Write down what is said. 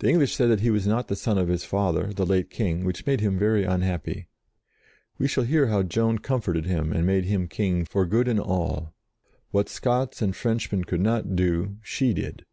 The English said that he was not the son of his father, the late King, which made him very unhappy. We shall hear how Joan comforted him and made him King for good and all. What Scots and Frenchmen could not do, she did.